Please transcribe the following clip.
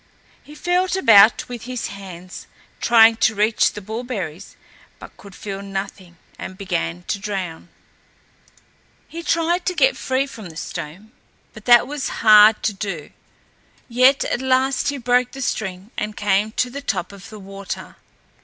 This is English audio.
He felt about with his hands trying to reach the bullberries, but could feel nothing and began to drown. He tried to get free from the stone, but that was hard to do; yet at last he broke the string and came to the top of the water.